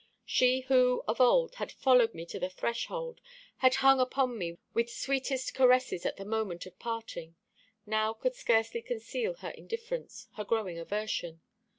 She, who of old had followed me to the threshold, had hung upon me with sweetest caresses at the moment of parting, now could scarcely conceal her indifference, her growing aversion.